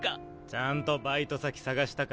ちゃんとバイト先探したか？